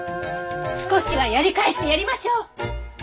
少しはやり返してやりましょう。